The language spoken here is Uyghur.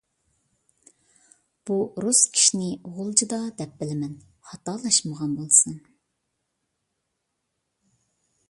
بۇ رۇس كىشىنى غۇلجىدا دەپ بىلىمەن، خاتالاشمىغان بولسام.